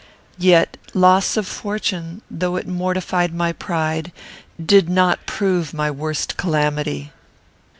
"Yet loss of fortune, though it mortified my pride, did not prove my worst calamity.